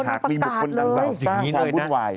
หากมีบุคคลดังกล่าวสิ่งมีความวุ่นวาย